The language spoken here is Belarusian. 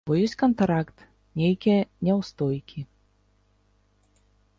Бо ёсць кантракт, нейкія няўстойкі.